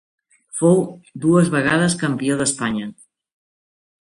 Fou dos vegades campió d'Espanya.